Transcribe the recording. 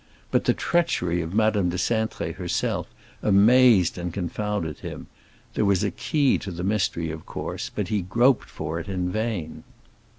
But the treachery of Madame de Cintré herself amazed and confounded him; there was a key to the mystery, of course, but he groped for it in vain.